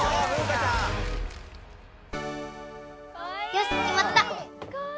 よしきまった。